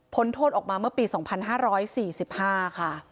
โทษออกมาเมื่อปี๒๕๔๕ค่ะ